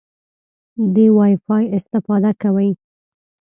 د وای فای استفاده کوئ؟